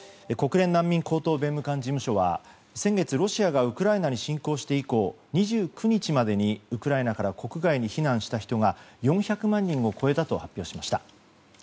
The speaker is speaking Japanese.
国連難民高等弁務官事務所は先月、ロシアがウクライナに侵攻していこう２９日までにウクライナから国外に避難した人が４００万人を超えたと発表しました。